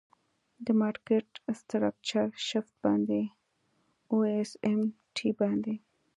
د مارکیټ سټرکچر شفټ باندی او آس آم ټی باندی.